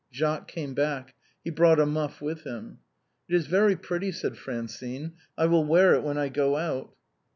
Jacques came back; he brought a muff with him. " It is very pretty," said Francine ;" I will wear it when I go out."